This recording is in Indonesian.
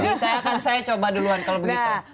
jadi saya akan saya coba duluan kalau begitu